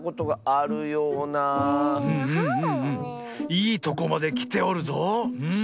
いいとこまできておるぞうん。